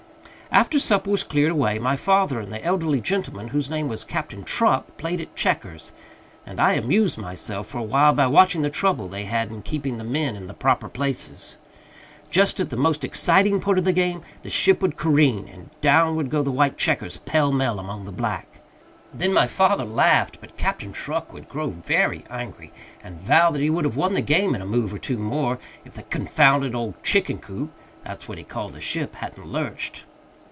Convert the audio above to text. After supper was cleared away, my father and the elderly gentleman, whose name was Captain Truck, played at checkers; and I amused myself for a while by watching the trouble they had in keeping the men in the proper places. Just at the most exciting point of the game, the ship would careen, and down would go the white checkers pell mell among the black. Then my father laughed, but Captain Truck would grow very angry, and vow that he would have won the game in a move or two more, if the confounded old chicken coop that's what he called the ship hadn't lurched.